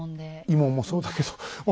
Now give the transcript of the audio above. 慰問もそうだけど。